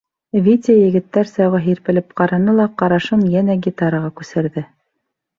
Витя егеттәрсә уға һирпелеп ҡараны ла ҡарашын йәнә гитараға күсерҙе.